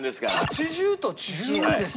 ８０と１０ですよ。